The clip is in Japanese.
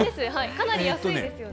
かなり安いですよね。